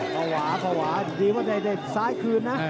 พอหวาดีว่าได้ซ้ายคืนนะ